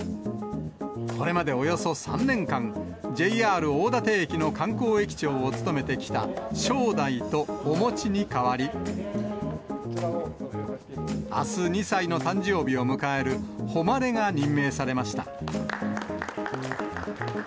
これまでおよそ３年間、ＪＲ大館駅の観光駅長を務めてきた、勝大とおもちに代わり、あす２歳の誕生日を迎える、誉が任命されました。